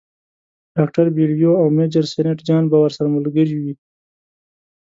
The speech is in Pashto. ډاکټر بیلیو او میجر سینټ جان به ورسره ملګري وي.